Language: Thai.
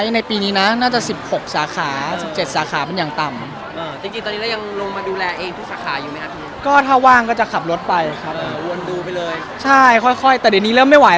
แล้วตอนนี้เริ่มแบบเครือใจกันอยู่บางเลยแล้วเริ่มไม่หวาย